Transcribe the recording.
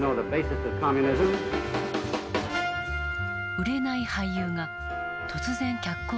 売れない俳優が突然脚光を浴びた。